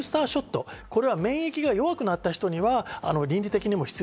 ブースターショット、これは免疫が弱くなった人には倫理的にも必要。